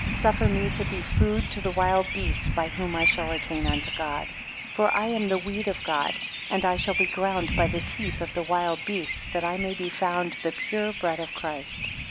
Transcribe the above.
Suffer me to be food to the wild beasts, by whom I shall attain unto God. 3 For I am the wheat of God, and I shall be ground by the teeth of the wild beasts, that I may be found the pure bread of Christ.